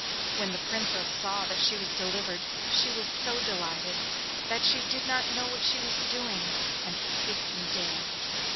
When the Princess saw that she was delivered she was so delighted that she did not know what she was doing, and skipped and danced.